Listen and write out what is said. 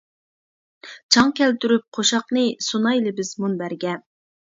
چاڭ كەلتۈرۈپ قوشاقنى، سۇنايلى بىز مۇنبەرگە.